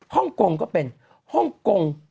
ห้องกงก็เป็น